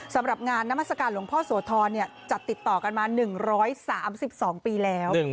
สำหรับงานน้ำศักดิ์หลวงพ่อโสธรเนี่ยจัดติดต่อกันมา๑๓๒ปีแล้ว